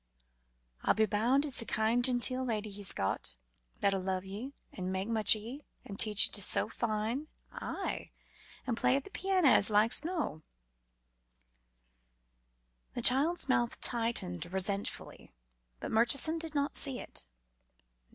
I'll be bound it's a kind, genteel lady he's got, that'll love ye, and mak' much o' ye, and teach ye to sew fine aye, an' play at the piano as like's no." The child's mouth tightened resentfully, but Murchison did not see it.